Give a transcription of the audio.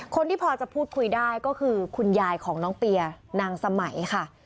คนที่พอจะพูดคุยได้ก็คือคุณยายของน้องเปียนางสมัยค่ะ